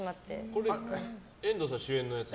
これは遠藤さん主演のやつ？